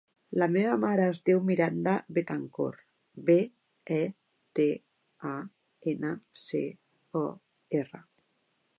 La meva mare es diu Miranda Betancor: be, e, te, a, ena, ce, o, erra.